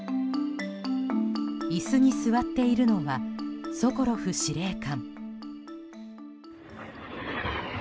椅子に座っているのはソコロフ司令官。